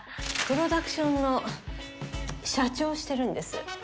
プロダクションの社長をしてるんです。